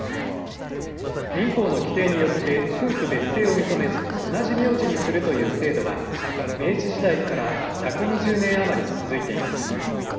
民法の規定によって、夫婦別姓を認めず、同じ名字にするという制度は、明治時代から１２０年余り続いています。